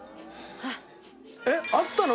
えっあったの？